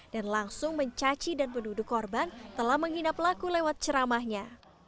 dan langsung mencaci dan menduduk korban telah menghina pelaku lewat ceramahnya